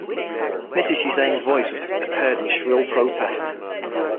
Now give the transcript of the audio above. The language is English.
Mrs. Hussain's voice was heard in shrill protest.